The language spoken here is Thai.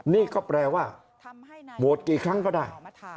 นี่ก็แปลว่าโหวตกี่ครั้งก็ได้